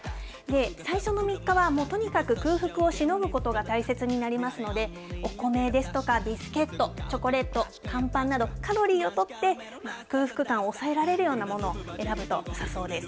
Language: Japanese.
最初の３日はもうとにかく空腹をしのぐことが大切になりますので、お米ですとか、ビスケット、チョコレート、乾パンなど、カロリーをとって、空腹感を抑えられるようなものを選ぶとよさそうです。